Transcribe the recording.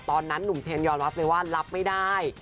ตอนนั้นหนุ่มเชนยอดรับเลยว่ารับไม่ได้